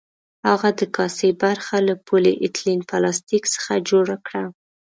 د هغه د کاسې برخه له پولي ایتلین پلاستیک څخه جوړه کړه.